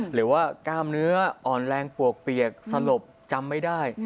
หรือว่ากล้ามเนื้ออ่อนแรงปวกเปียกสลบจำไม่ได้